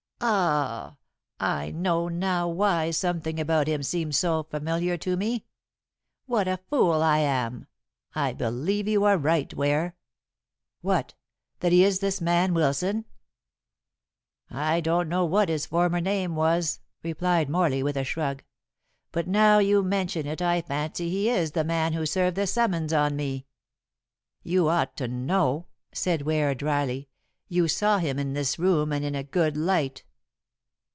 "Ah! I know now why something about him seemed to be familiar to me. What a fool I am! I believe you are right, Ware." "What? That he is this man Wilson?" "I don't know what his former name was," replied Morley, with a shrug, "but now you mention it I fancy he is the man who served the summons on me." "You ought to know," said Ware dryly; "you saw him in this room, and in a good light."